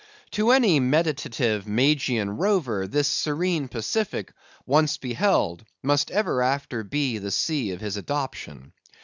To any meditative Magian rover, this serene Pacific, once beheld, must ever after be the sea of his adoption.